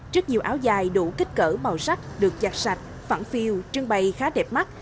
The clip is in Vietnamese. trước nhiều áo dài đủ kích cỡ màu sắc được chặt sạch phẳng phiêu trưng bày khá đẹp mắt